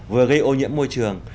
vừa gây ô nhiễm môi trường